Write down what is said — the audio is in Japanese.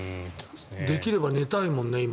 できれば寝たいもん、今。